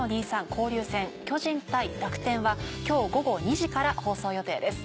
交流戦巨人対楽天は今日午後２時から放送予定です。